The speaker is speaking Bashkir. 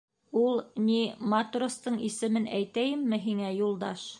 Ул, ни, матростың исемен әйтәйемме һиңә, Юлдаш?